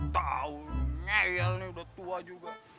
tau nyel nih udah tua juga